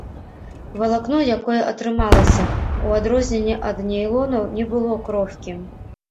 Валакно, якое атрымалася, у адрозненне ад нейлону, не было крохкім.